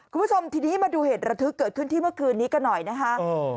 คุณผู้ชมทีนี้มาดูเหตุระทึกเกิดขึ้นที่เมื่อคืนนี้กันหน่อยนะคะ